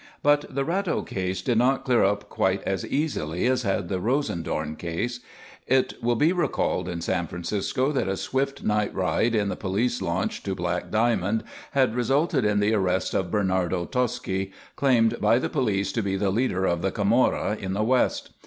But the Ratto case did not clear up quite as easily as had the Rosendorn case. It will be recalled in San Francisco that a swift night ride in the police launch to Black Diamond had resulted in the arrest of Bernardo Tosci, claimed by the police to be the leader of the Camorra in the west.